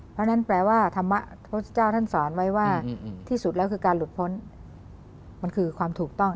เพราะฉะนั้นแปลว่าธรรมะพระพุทธเจ้าท่านสอนไว้ว่าที่สุดแล้วคือการหลุดพ้นมันคือความถูกต้อง